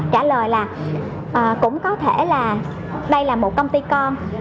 trả lời là cũng có thể là đây là một công ty con